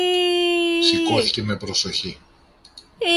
Σηκώθηκε με προσοχή